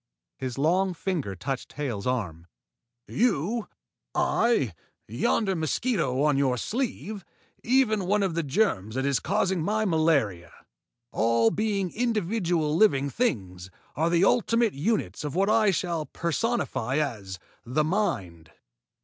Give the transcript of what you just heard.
His long finger touched Hale's arm. "You, I, yonder mosquito on your sleeve, even one of the germs that is causing my malaria, all being individual living things, are the ultimate units of what I shall personify as the Mind.